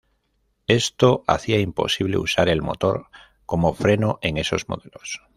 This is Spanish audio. Esto hacía imposible usar el motor como freno en esos modelos.